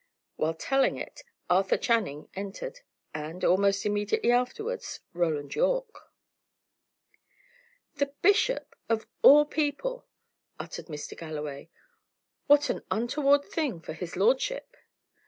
While telling it, Arthur Channing entered, and, almost immediately afterwards, Roland Yorke. "The bishop, of all people!" uttered Mr. Galloway. "What an untoward thing for his lordship!"